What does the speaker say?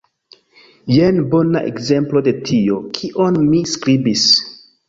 Jen bona ekzemplo de tio, kion mi skribis.